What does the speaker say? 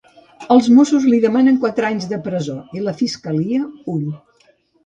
Els mossos li demanen quatre anys de presó, i la fiscalia un.